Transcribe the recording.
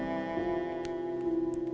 karena langka sichan juga